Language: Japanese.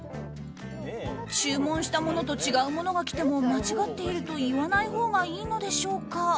注文したものと違うものが来ても間違っていると言わないほうがいいのでしょうか？